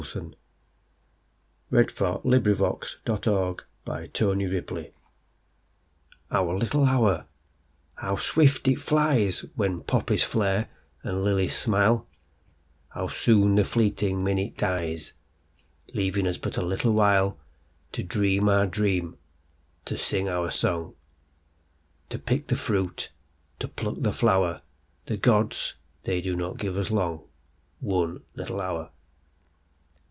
1917. Leslie Coulson "—But a Short Time to Live" OUR little hour,—how swift it fliesWhen poppies flare and lilies smile; How soon the fleeting minute dies, Leaving us but a little whileTo dream our dream, to sing our song, To pick the fruit, to pluck the flower, The Gods—They do not give us long,—One little hour.